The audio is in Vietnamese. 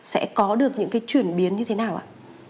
sẽ có được những cái chuyển biến như thế nào ạ